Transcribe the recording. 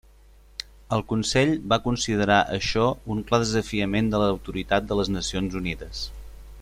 El Consell va considerar això un clar desafiament de l'autoritat de les Nacions Unides.